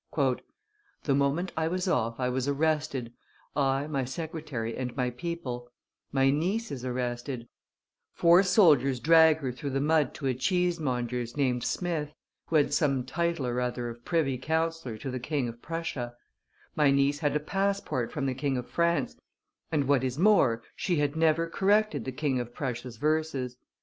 "The moment I was off, I was arrested, I, my secretary and my people; my niece is arrested; four soldiers drag her through the mud to a cheese monger's named Smith, who had some title or other of privy councillor to the King of Prussia; my niece had a passport from the King of France, and, what is more, she had never corrected the King of Prussia's verses.